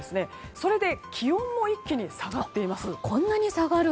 それで気温も一気に下がっています。